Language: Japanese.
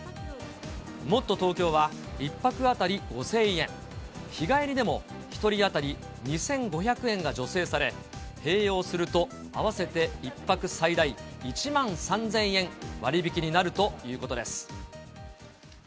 もっとＴｏｋｙｏは、１泊当たり５０００円、日帰りでも、１人当たり２５００円が助成され、併用すると合わせて１泊最大１万３０００円割引になるということです。